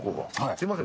すいません。